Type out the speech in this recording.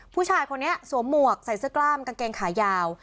ผู้ชายคนนี้สวมหมวกใส่เสื้อกล้ามกางเกงขายาว